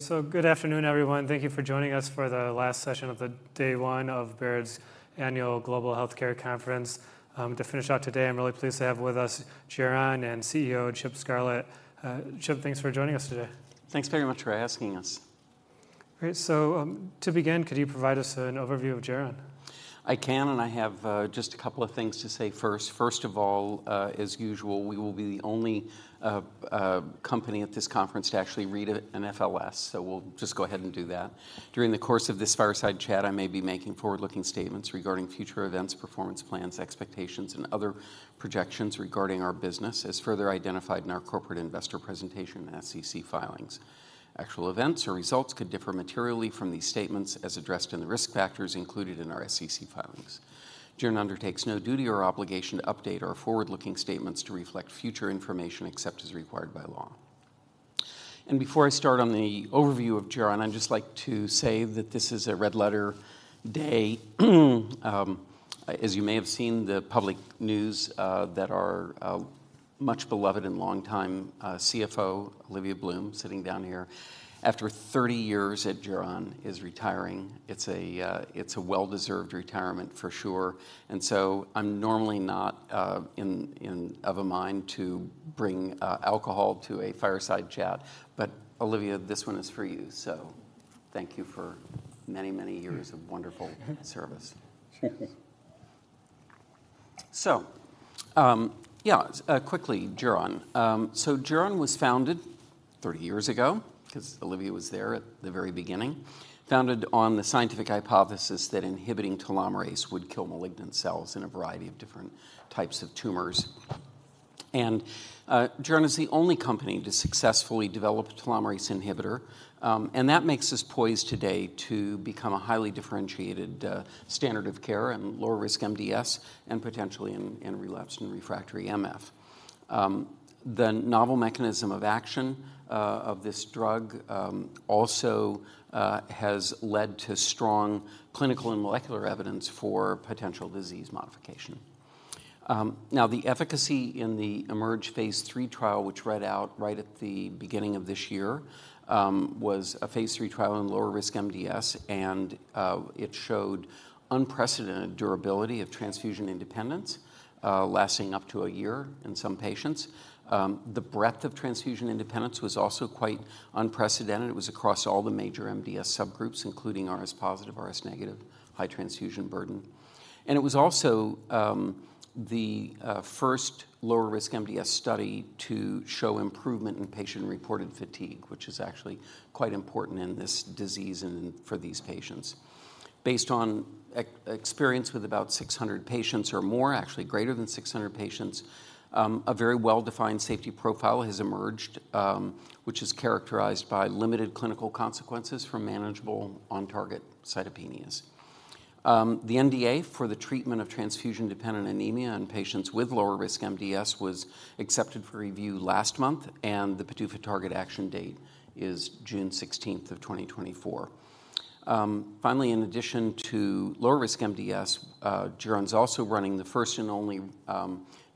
So good afternoon, everyone. Thank you for joining us for the last session of the day one of Baird's Annual Global Healthcare Conference. To finish out today, I'm really pleased to have with us Geron and CEO, Chip Scarlett. Chip, thanks for joining us today. Thanks very much for asking us. Great, so, to begin, could you provide us an overview of Geron? I can, and I have, just a couple of things to say first. First of all, as usual, we will be the only company at this conference to actually read an FLS, so we'll just go ahead and do that. During the course of this fireside chat, I may be making forward-looking statements regarding future events, performance plans, expectations, and other projections regarding our business, as further identified in our corporate investor presentation and SEC filings. Actual events or results could differ materially from these statements, as addressed in the risk factors included in our SEC filings. Geron undertakes no duty or obligation to update our forward-looking statements to reflect future information, except as required by law. Before I start on the overview of Geron, I'd just like to say that this is a red-letter day. As you may have seen, the public news that our much beloved and longtime CFO, Olivia Bloom, sitting down here, after 30 years at Geron, is retiring. It's a well-deserved retirement for sure. And so I'm normally not of a mind to bring alcohol to a fireside chat, but Olivia, this one is for you. So thank you for many, many years of wonderful service. So, quickly, Geron. So Geron was founded 30 years ago, 'cause Olivia was there at the very beginning, founded on the scientific hypothesis that inhibiting telomerase would kill malignant cells in a variety of different types of tumors. Geron is the only company to successfully develop a telomerase inhibitor, and that makes us poised today to become a highly differentiated standard of care in lower-risk MDS and potentially in relapsed and refractory MF. The novel mechanism of action of this drug also has led to strong clinical and molecular evidence for potential disease modification. Now, the efficacy in the IMerge Trial, which read out right at the beginning of this year, was a phase III trial in lower-risk MDS, and it showed unprecedented durability of transfusion independence, lasting up to a year in some patients. The breadth of transfusion independence was also quite unprecedented. It was across all the major MDS subgroups, including RS-Positive, RS-Negative, high transfusion burden. It was also the first lower-risk MDS study to show improvement in patient-reported fatigue, which is actually quite important in this disease and for these patients. Based on experience with about 600 patients or more, actually greater than 600 patients, a very well-defined safety profile has emerged, which is characterized by limited clinical consequences from manageable on-target cytopenias. The NDA for the treatment of transfusion-dependent anemia in patients with lower-risk MDS was accepted for review last month, and the PDUFA target action date is June 16th of 2024. Finally, in addition to lower-risk MDS, Geron's also running the first and only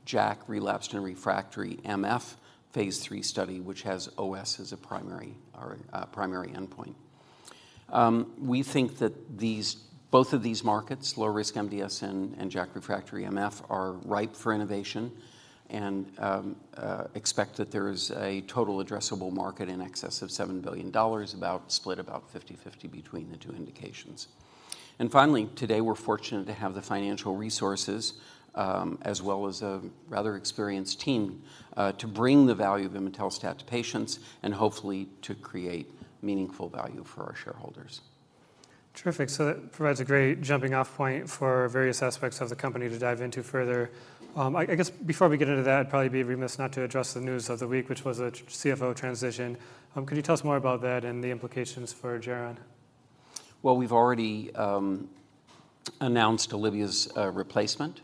JAK relapsed and refractory MF Phase III study, which has OS as a primary endpoint. We think that these both of these markets, low risk MDS and JAK refractory MF, are ripe for innovation and expect that there is a total addressable market in excess of $7 billion, about split about 50/50 between the two indications. And finally, today, we're fortunate to have the financial resources, as well as a rather experienced team, to bring the value of imetelstat to patients and hopefully to create meaningful value for our shareholders. Terrific. So that provides a great jumping-off point for various aspects of the company to dive into further. I guess before we get into that, I'd probably be remiss not to address the news of the week, which was a CFO transition. Could you tell us more about that and the implications for Geron? Well, we've already announced Olivia's replacement.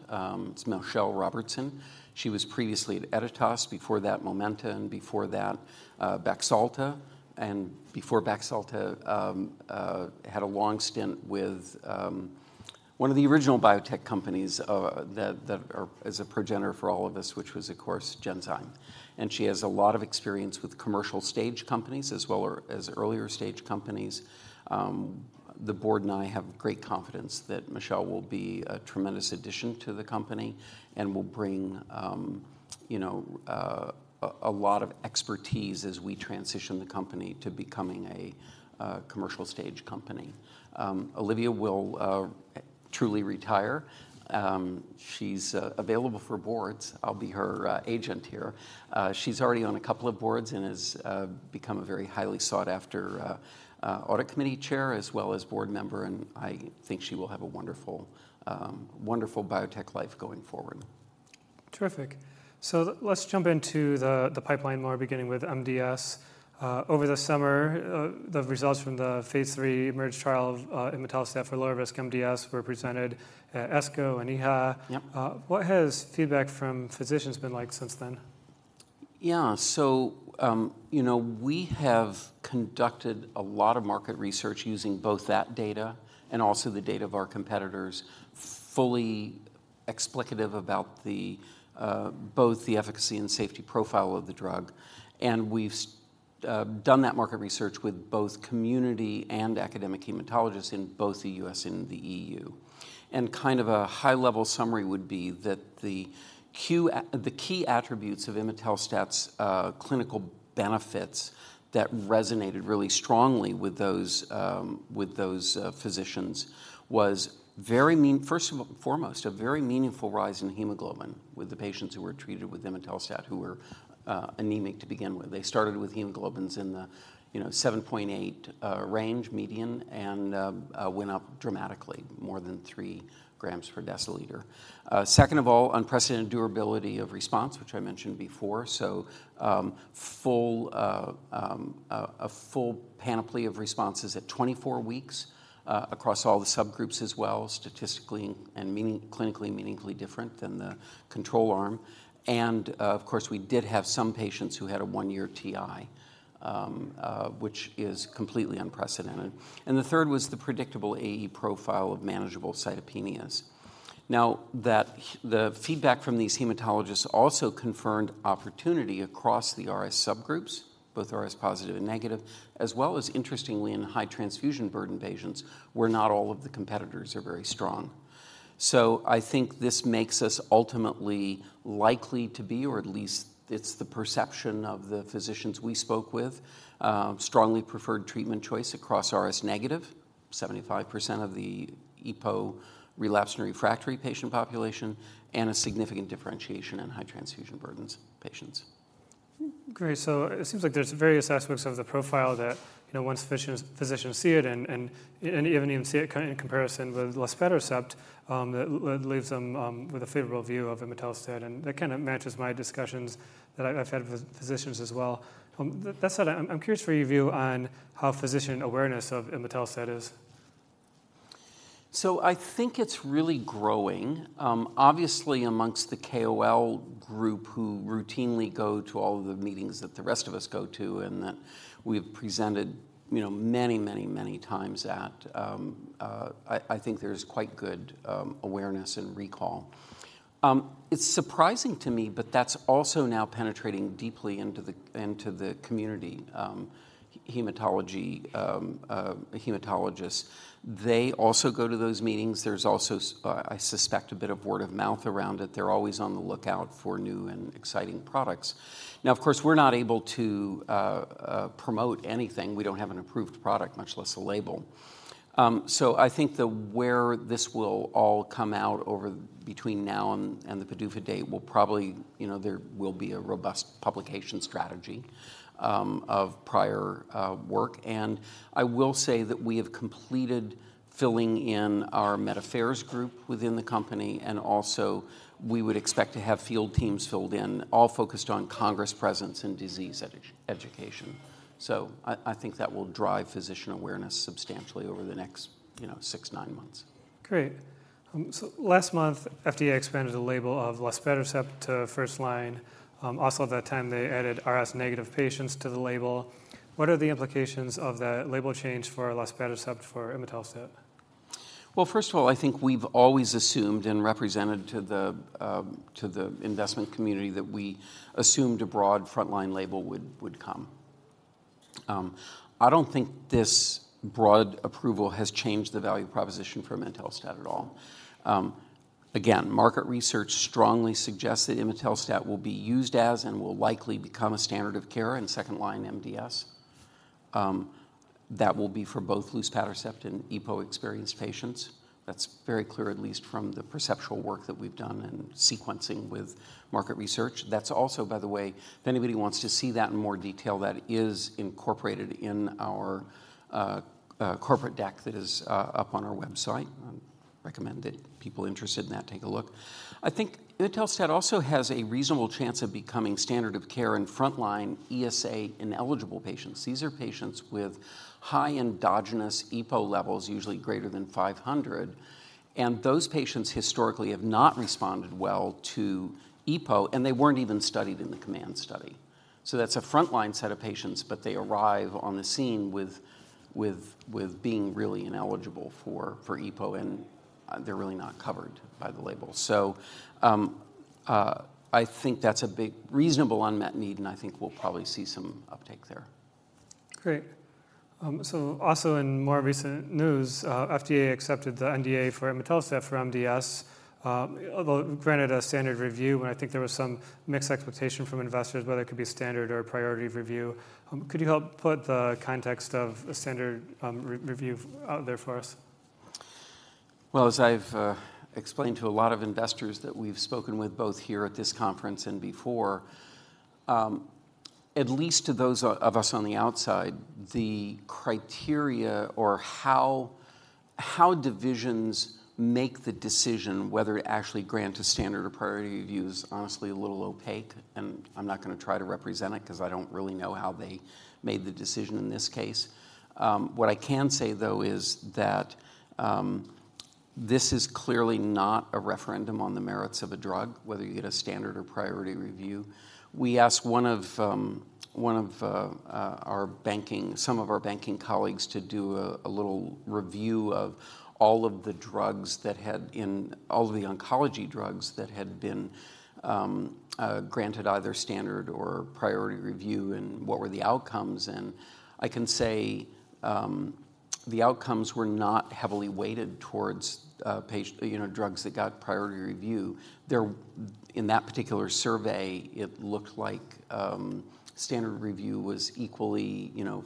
It's Michelle Robertson. She was previously at Editas, before that Momenta, and before that, Baxalta, and before Baxalta, had a long stint with one of the original biotech companies that are as a progenitor for all of us, which was, of course, Genzyme. And she has a lot of experience with commercial stage companies as well as earlier stage companies. The board and I have great confidence that Michelle will be a tremendous addition to the company and will bring, you know, a lot of expertise as we transition the company to becoming a commercial stage company. Olivia will truly retire. She's available for boards. I'll be her agent here. She's already on a couple of boards and has become a very highly sought after audit committee chair as well as board member, and I think she will have a wonderful wonderful biotech life going forward. Terrific. So let's jump into the pipeline more, beginning with MDS. Over the summer, the results from the phase III IMerge trial, imetelstat for lower-risk MDS, were presented at ASCO and EHA. Yep. What has feedback from physicians been like since then? Yeah, so, you know, we have conducted a lot of market research using both that data and also the data of our competitors fully explicative about the both the efficacy and safety profile of the drug. And we've done that market research with both community and academic hematologists in both the U.S. and the E.U. And kind of a high-level summary would be that the key attributes of imetelstat's clinical benefits that resonated really strongly with those physicians was, first and foremost, a very meaningful rise in hemoglobin with the patients who were treated with imetelstat, who were anemic to begin with. They started with hemoglobins in the, you know, 7.8 range median, and went up dramatically, more than 3 g/dL. Second of all, unprecedented durability of response, which I mentioned before, so, a full panoply of responses at 24 weeks, across all the subgroups as well, statistically and clinically meaningfully different than the control arm. And, of course, we did have some patients who had a 1-year TI, which is completely unprecedented. And the third was the predictable AE profile of manageable cytopenias. Now, the feedback from these hematologists also confirmed opportunity across the RS subgroups, both RS positive and negative, as well as interestingly in high transfusion burden patients, where not all of the competitors are very strong. I think this makes us ultimately likely to be, or at least it's the perception of the physicians we spoke with, strongly preferred treatment choice across RS-Negative, 75% of the EPO-relapsed and refractory patient population, and a significant differentiation in high-transfusion-burden patients. Great, so it seems like there's various aspects of the profile that, you know, once physicians see it and even see it in comparison with luspatercept, that leaves them with a favorable view of imetelstat, and that kind of matches my discussions that I've had with physicians as well. That said, I'm curious for your view on how physician awareness of imetelstat is. So I think it's really growing. Obviously, among the KOL group, who routinely go to all of the meetings that the rest of us go to, and that we've presented, you know, many, many, many times at. I think there's quite good awareness and recall. It's surprising to me, but that's also now penetrating deeply into the community hematologists. They also go to those meetings. There's also, I suspect, a bit of word-of-mouth around it. They're always on the lookout for new and exciting products. Now, of course, we're not able to promote anything. We don't have an approved product, much less a label. So I think that where this will all come out over between now and the PDUFA date will probably... You know, there will be a robust publication strategy, of prior work. I will say that we have completed filling in our medical affairs group within the company, and also we would expect to have field teams filled in, all focused on congress presence and disease education. I think that will drive physician awareness substantially over the next, you know, six, nine months. Great. So last month, FDA expanded the label of luspatercept to first-line. Also, at that time, they added RS-Negative patients to the label. What are the implications of that label change for luspatercept for imetelstat? Well, first of all, I think we've always assumed and represented to the investment community that we assumed a broad frontline label would come. I don't think this broad approval has changed the value proposition for imetelstat at all. Again, market research strongly suggests that imetelstat will be used as and will likely become a standard of care in second-line MDS. That will be for both luspatercept and EPO-experienced patients. That's very clear, at least from the perceptual work that we've done and sequencing with market research. That's also, by the way, if anybody wants to see that in more detail, that is incorporated in our corporate deck that is up on our website. I recommend that people interested in that take a look. I think imetelstat also has a reasonable chance of becoming standard of care in frontline ESA-ineligible patients. These are patients with high endogenous EPO levels, usually greater than 500, and those patients historically have not responded well to EPO, and they weren't even studied in the COMMANDS study. So that's a frontline set of patients, but they arrive on the scene with being really ineligible for EPO, and they're really not covered by the label. So I think that's a big reasonable unmet need, and I think we'll probably see some uptake there. Great. So also in more recent news, FDA accepted the NDA for imetelstat for MDS, although it granted a standard review, and I think there was some mixed expectation from investors whether it could be a standard or a priority review. Could you help put the context of a standard review out there for us? Well, as I've explained to a lot of investors that we've spoken with, both here at this conference and before, at least to those of us on the outside, the criteria or how divisions make the decision whether to actually grant a standard or priority review is honestly a little opaque, and I'm not gonna try to represent it 'cause I don't really know how they made the decision in this case. What I can say, though, is that this is clearly not a referendum on the merits of a drug, whether you get a standard or priority review. We asked one of our banking colleagues to do a little review of all of the oncology drugs that had been granted either standard or priority review, and what were the outcomes. I can say the outcomes were not heavily weighted towards patient, you know, drugs that got priority review. In that particular survey, it looked like standard review was equally, you know,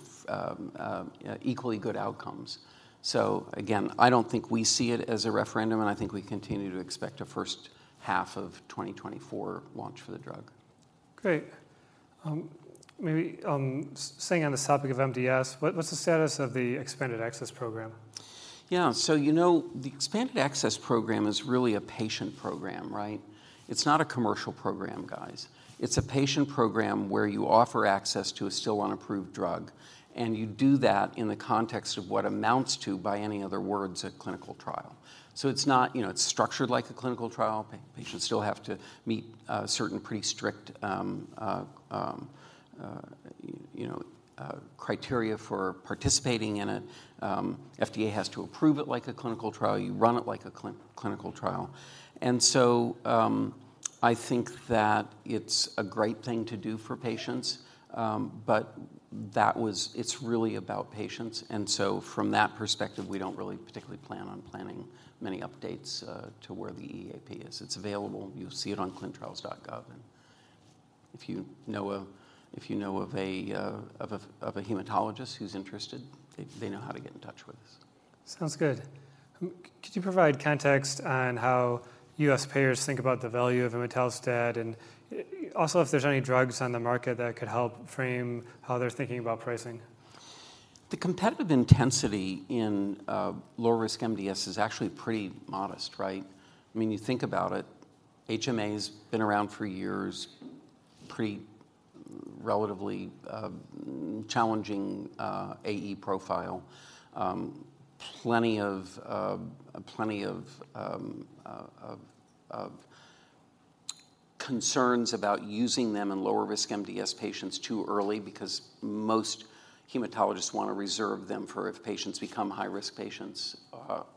equally good outcomes. Again, I don't think we see it as a referendum, and I think we continue to expect a first half of 2024 launch for the drug. Great. Maybe, staying on the topic of MDS, what's the status of the expanded access program? Yeah. So, you know, the expanded access program is really a patient program, right? It's not a commercial program, guys. It's a patient program where you offer access to a still unapproved drug, and you do that in the context of what amounts to, by any other words, a clinical trial. So it's not, you know, it's structured like a clinical trial. Patients still have to meet certain pretty strict, you know, criteria for participating in it. FDA has to approve it like a clinical trial. You run it like a clinical trial. And so, I think that it's a great thing to do for patients. But it's really about patients, and so from that perspective, we don't really particularly plan on planning many updates to where the EAP is. It's available. You'll see it on ClinicalTrials.gov, and if you know of a hematologist who's interested, they know how to get in touch with us. Sounds good. Could you provide context on how U.S. payers think about the value of imetelstat, and also, if there's any drugs on the market that could help frame how they're thinking about pricing? The competitive intensity in low-risk MDS is actually pretty modest, right? I mean, you think about it, HMA has been around for years, pretty relatively challenging AE profile. Plenty of concerns about using them in lower-risk MDS patients too early because most hematologists want to reserve them for if patients become high-risk patients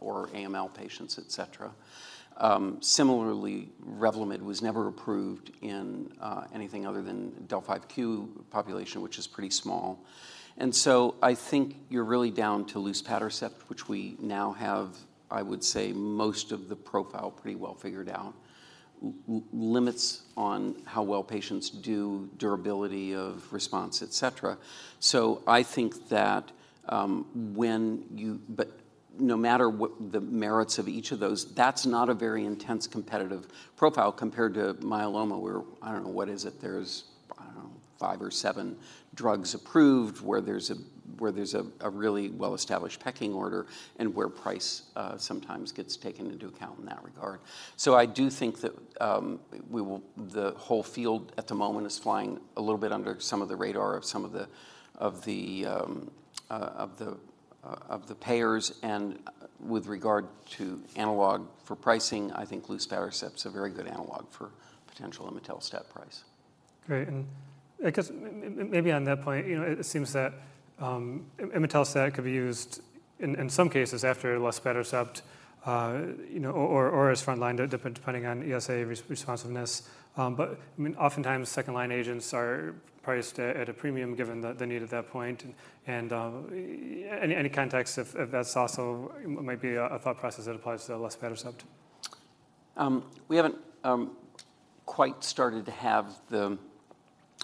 or AML patients, et cetera. Similarly, Revlimid was never approved in anything other than del(5q) population, which is pretty small. And so I think you're really down to luspatercept, which we now have, I would say, most of the profile pretty well figured out, limits on how well patients do, durability of response, et cetera. So I think that, but no matter what the merits of each of those, that's not a very intense competitive profile compared to myeloma, where, I don't know, what is it? There's, I don't know, five or seven drugs approved, where there's a really well-established pecking order and where price sometimes gets taken into account in that regard. So I do think that the whole field at the moment is flying a little bit under some of the radar of some of the payers. And with regard to analog for pricing, I think luspatercept is a very good analog for potential imetelstat price. Great, and I guess maybe on that point, you know, it seems that imetelstat could be used in some cases after luspatercept, you know, or as frontline, depending on ESA responsiveness. But, I mean, oftentimes second-line agents are priced at a premium, given the need at that point. And, any context if that's also might be a thought process that applies to luspatercept? We haven't quite started to have the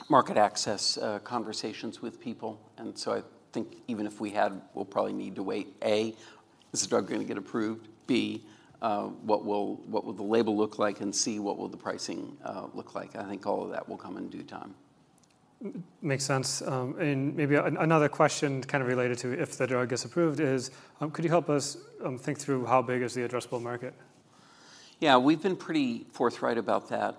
market access conversations with people, and so I think even if we had, we'll probably need to wait. A, is the drug going to get approved? B, what will, what will the label look like? And C, what will the pricing look like? I think all of that will come in due time. Makes sense. And maybe another question kind of related to if the drug is approved is, could you help us think through how big is the addressable market? Yeah, we've been pretty forthright about that.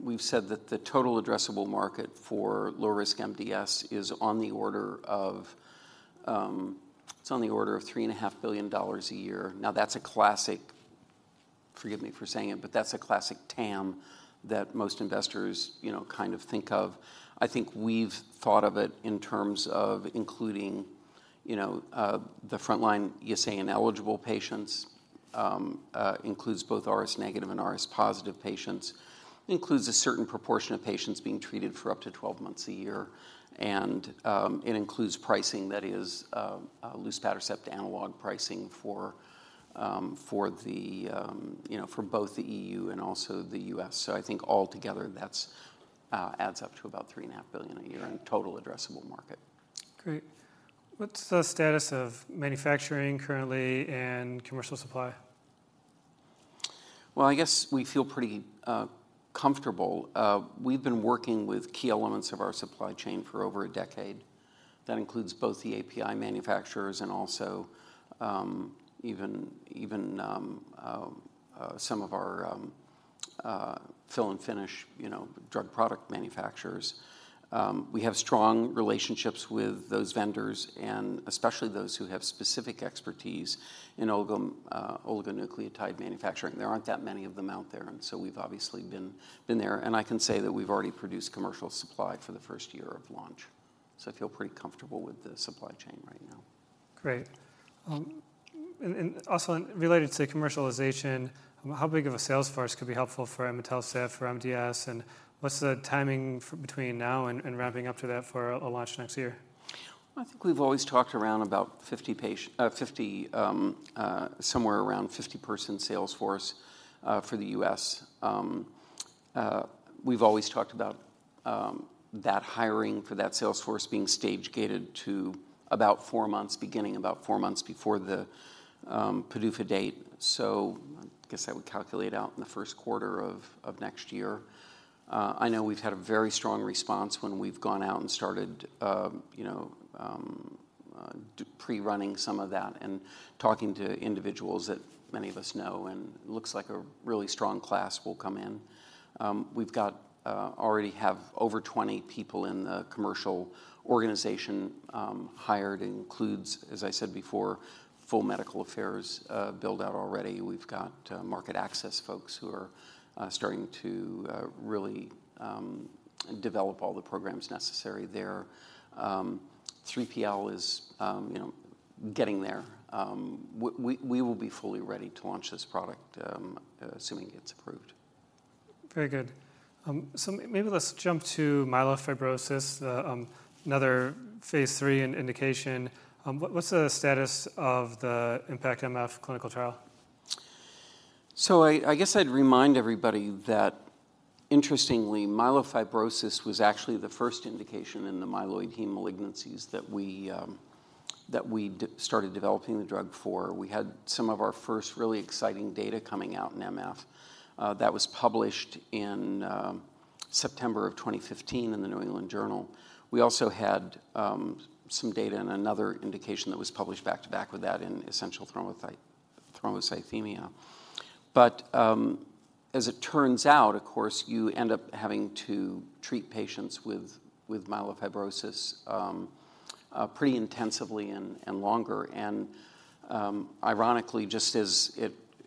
We've said that the total addressable market for low-risk MDS is on the order of, it's on the order of $3.5 billion a year. Now, that's a classic... Forgive me for saying it, but that's a classic TAM that most investors, you know, kind of think of. I think we've thought of it in terms of including, you know, the frontline ESA-ineligible patients, includes both RS-Negative and RS-Positive patients, includes a certain proportion of patients being treated for up to 12 months a year, and, it includes pricing that is, luspatercept analogue pricing for the, you know, for both the E.U. and also the U.S. So I think altogether, that's, adds up to about $3.5 billion a year in total addressable market. Great. What's the status of manufacturing currently and commercial supply? Well, I guess we feel pretty comfortable. We've been working with key elements of our supply chain for over a decade. That includes both the API manufacturers and also even some of our fill and finish, you know, drug product manufacturers. We have strong relationships with those vendors, and especially those who have specific expertise in oligo oligonucleotide manufacturing. There aren't that many of them out there, and so we've obviously been there, and I can say that we've already produced commercial supply for the first year of launch. So I feel pretty comfortable with the supply chain right now. Great. And, and also in relation to commercialization, how big of a sales force could be helpful for imetelstat, for MDS, and what's the timing between now and ramping up to that for a launch next year? I think we've always talked around about 50 patient, 50, somewhere around 50-person sales force for the U.S. We've always talked about that hiring for that sales force being stage-gated to about four months, beginning about four months before the PDUFA date. So I guess that would calculate out in the first quarter of next year. I know we've had a very strong response when we've gone out and started, you know, pre-running some of that and talking to individuals that many of us know, and it looks like a really strong class will come in. We've got already have over 20 people in the commercial organization hired, includes, as I said before, full medical affairs build out already. We've got market access folks who are starting to really develop all the programs necessary there. 3PL is, you know, getting there. We will be fully ready to launch this product, assuming it's approved. Very good. So maybe let's jump to myelofibrosis, another phase III indication. What's the status of the IMpactMF clinical trial? So I guess I'd remind everybody that, interestingly, myelofibrosis was actually the first indication in the myeloid heme malignancies that we started developing the drug for. We had some of our first really exciting data coming out in MF that was published in September of 2015 in the New England Journal. We also had some data in another indication that was published back-to-back with that in essential thrombocythemia. But as it turns out, of course, you end up having to treat patients with myelofibrosis pretty intensively and longer. And ironically, just as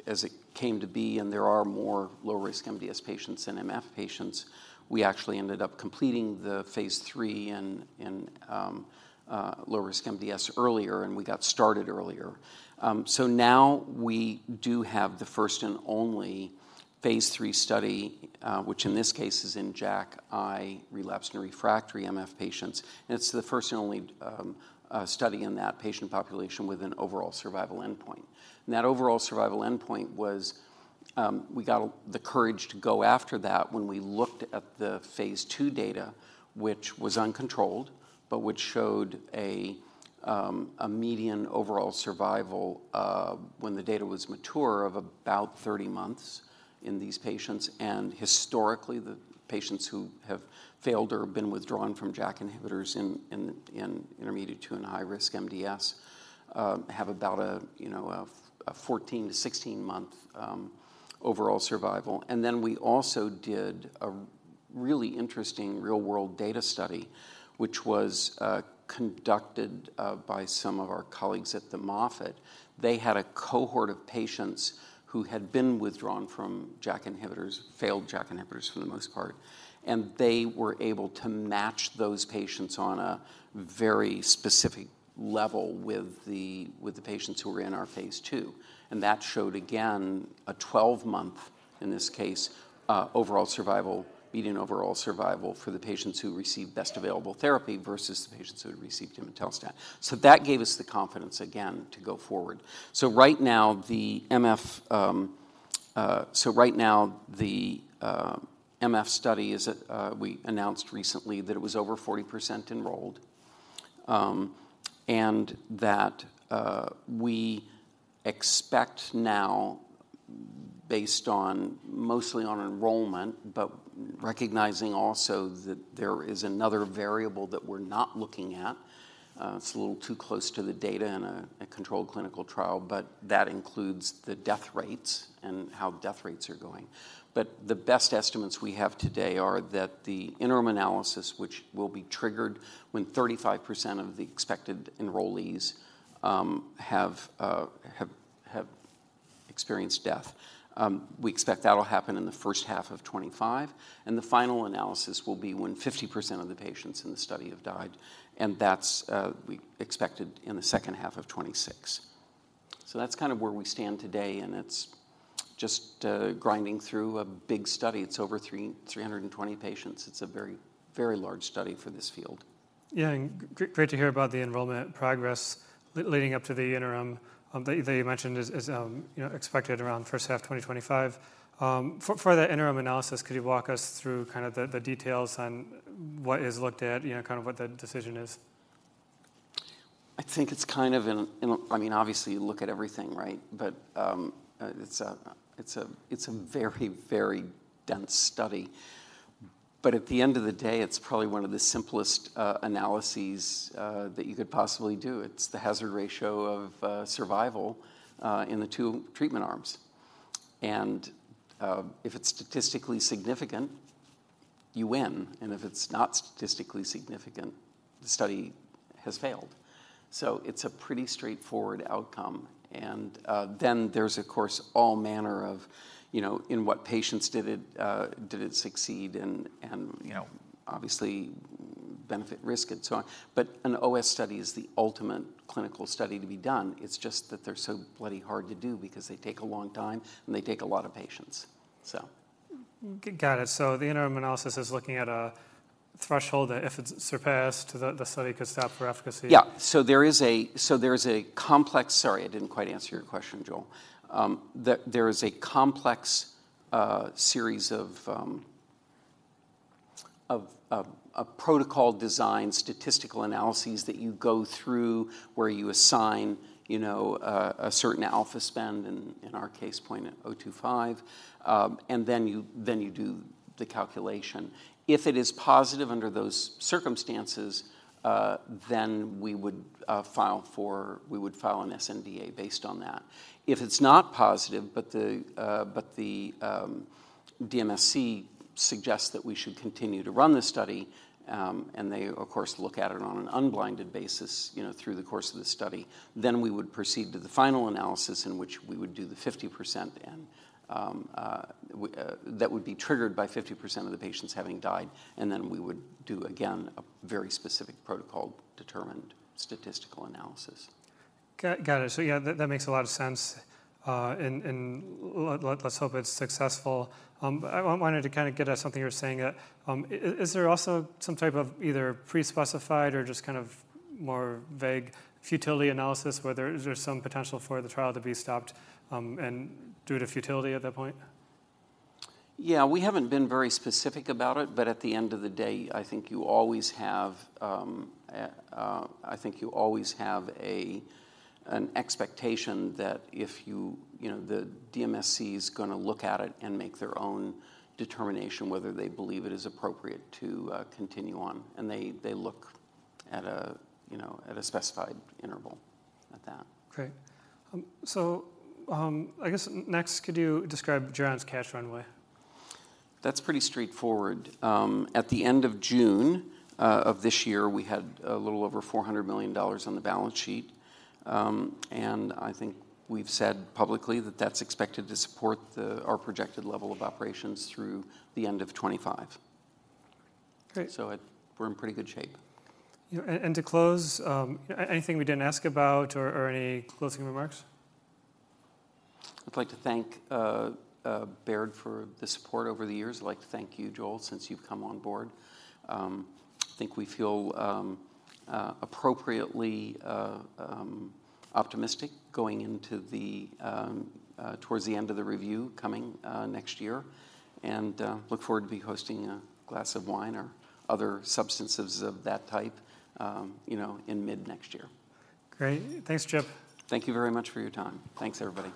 it came to be, and there are more low-risk MDS patients than MF patients, we actually ended up completing the phase III in low-risk MDS earlier, and we got started earlier. So now we do have the first and only phase III study, which in this case is in JAKi, relapsed and refractory MF patients, and it's the first and only study in that patient population with an overall survival endpoint. And that overall survival endpoint was, we got the courage to go after that when we looked at the phase II data, which was uncontrolled, but which showed a median overall survival, when the data was mature, of about 30 months in these patients. And historically, the patients who have failed or been withdrawn from JAK inhibitors in intermediate-2 and high-risk MDS, have about a, you know, a 14 to 16-month overall survival. And then we also did a really interesting real-world data study, which was conducted by some of our colleagues at the Moffitt. They had a cohort of patients who had been withdrawn from JAK inhibitors, failed JAK inhibitors, for the most part, and they were able to match those patients on a very specific level with the patients who were in our phase II. And that showed, again, a 12-month, in this case, overall survival, median overall survival for the patients who received best available therapy versus the patients who had received imetelstat. So that gave us the confidence again to go forward. So right now, the MF study is at, we announced recently that it was over 40% enrolled, and that we expect now, based mostly on enrollment, but recognizing also that there is another variable that we're not looking at, it's a little too close to the data in a controlled clinical trial, but that includes the death rates and how death rates are going. But the best estimates we have today are that the interim analysis, which will be triggered when 35% of the expected enrollees have experienced death, we expect that'll happen in the first half of 2025, and the final analysis will be when 50% of the patients in the study have died, and that's we expected in the second half of 2026. So that's kind of where we stand today, and it's just, grinding through a big study. It's over 320 patients. It's a very, very large study for this field. Yeah, and great to hear about the enrollment progress leading up to the interim that you mentioned is, you know, expected around first half 2025. For the interim analysis, could you walk us through kind of the details on what is looked at, you know, kind of what the decision is? I think it's kind of in a—I mean, obviously, you look at everything, right? But it's a very, very dense study... but at the end of the day, it's probably one of the simplest analyses that you could possibly do. It's the hazard ratio of survival in the two treatment arms. And if it's statistically significant, you win, and if it's not statistically significant, the study has failed. So it's a pretty straightforward outcome. And then there's, of course, all manner of, you know, in what patients did it succeed, and you know, obviously, benefit, risk, and so on. But an OS study is the ultimate clinical study to be done. It's just that they're so bloody hard to do because they take a long time, and they take a lot of patience, so. Got it. So the interim analysis is looking at a threshold that if it's surpassed, the study could stop for efficacy? Yeah. So there is a complex... Sorry, I didn't quite answer your question, Joel. There is a complex series of protocol design, statistical analyses that you go through, where you assign, you know, a certain alpha spend, and in our case, $0.025, and then you do the calculation. If it is positive under those circumstances, then we would file an sNDA based on that. If it's not positive, but the DMSC suggests that we should continue to run the study, and they, of course, look at it on an unblinded basis, you know, through the course of the study, then we would proceed to the final analysis, in which we would do the 50%, and that would be triggered by 50% of the patients having died, and then we would do, again, a very specific protocol-determined statistical analysis. Got it. So yeah, that makes a lot of sense, and let's hope it's successful. I wanted to kinda get at something you were saying, that, is there also some type of either pre-specified or just kind of more vague futility analysis, whether is there some potential for the trial to be stopped, and due to futility at that point? Yeah, we haven't been very specific about it, but at the end of the day, I think you always have an expectation that if you know, the DMSC is gonna look at it and make their own determination whether they believe it is appropriate to continue on, and they look at, you know, at a specified interval at that. Great. So, I guess next, could you describe Geron's cash runway? That's pretty straightforward. At the end of June of this year, we had a little over $400 million on the balance sheet. I think we've said publicly that that's expected to support our projected level of operations through the end of 2025. Great. So we're in pretty good shape. Yeah, and to close, anything we didn't ask about or any closing remarks? I'd like to thank Baird for the support over the years. I'd like to thank you, Joel, since you've come on board. I think we feel appropriately optimistic going into the towards the end of the review coming next year, and look forward to be hosting a glass of wine or other substances of that type, you know, in mid-next year. Great. Thanks, Chip. Thank you very much for your time. Thanks, everybody.